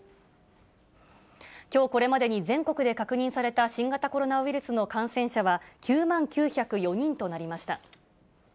きょうこれまでに全国で確認された新型コロナウイルスの感染者は、９万９０４人となりました。